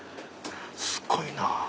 すごいな！